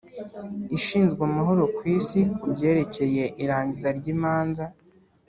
ishinzwe amahoro ku isi ku byerekeye irangiza ry'imanza